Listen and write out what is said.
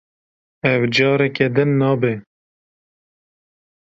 Ev, careke din nabe.